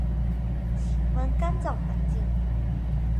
喜欢干燥环境。